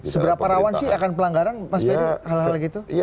seberapa rawan akan pelanggaran mas ferry